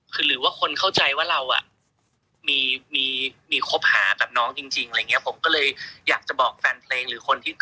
คือหรือว่าคนเข้าใจว่าเราอ่ะมีมีคบหากับน้องจริงอะไรอย่างเงี้ผมก็เลยอยากจะบอกแฟนเพลงหรือคนที่